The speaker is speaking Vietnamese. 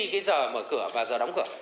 cái giờ mở cửa và giờ đóng cửa